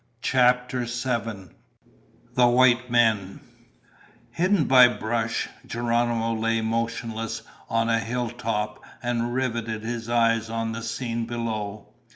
CHAPTER SEVEN The White Men Hidden by brush, Geronimo lay motionless on a hilltop and riveted his eyes on the scene below.